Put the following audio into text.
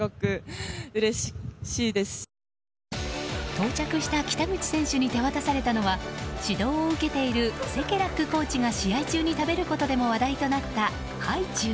到着した北口選手に手渡されたのは指導を受けているセケラックコーチが試合中に食べることでも話題となった、ハイチュウ。